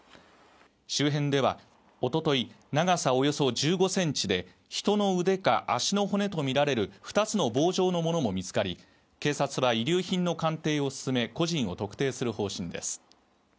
周辺ではおととい長さおよそ１５センチで人の腕か足の骨と見られる２つの棒状のものも見つかり警察は遺留品の鑑定を進め個人を特定する方針です